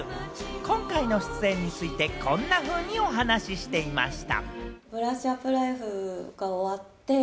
今回の出演について、こんなふうにお話していました。